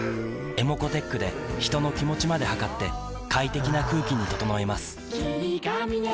ｅｍｏｃｏーｔｅｃｈで人の気持ちまで測って快適な空気に整えます